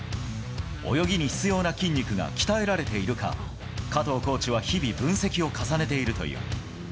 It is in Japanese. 泳ぎに必要な筋肉が鍛えられているか、加藤コーチは日々、分析を重ねているという。